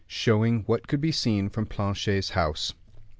Showing What Could Be Seen from Planchet's House.